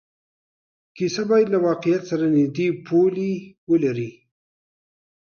کیسه باید له واقعیت سره نږدې پولې ولري.